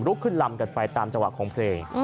ขึ้นลำกันไปตามจังหวะของเพลง